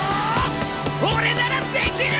俺ならできる！